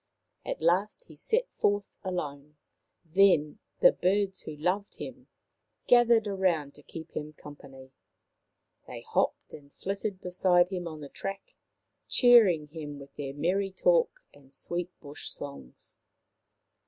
At last he set forth alone. Then the birds, who loved him, gathered round to keep him company* They hopped and flitted beside him on the track, cheering him with their merry talk and sweet bush songs.